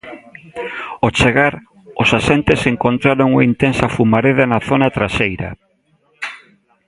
Ao chegar, os axentes encontraron unha intensa fumareda na zona traseira.